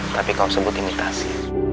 tapi kau sebut imitasi